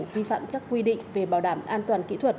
vi phạm các quy định về bảo đảm an toàn kỹ thuật